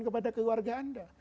kepada keluarga anda